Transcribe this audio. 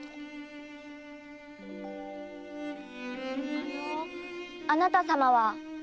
あのあなたさまは？